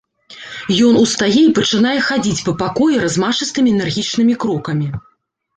Ён устае і пачынае хадзіць па пакоі размашыстымі энергічнымі крокамі.